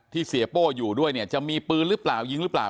เสียโป้อยู่ด้วยเนี่ยจะมีปืนหรือเปล่ายิงหรือเปล่า